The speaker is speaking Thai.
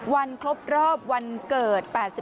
วันครบรอบวันเกิด